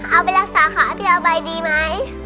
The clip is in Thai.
เอาไปรักษาขาพี่เอาใบดีไหม